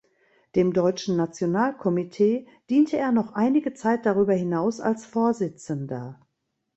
Dem Deutschen Nationalkomitee diente er noch einige Zeit darüber hinaus als Vorsitzender.